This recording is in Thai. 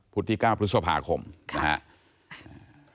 ที่๙พฤษภาคมนะครับ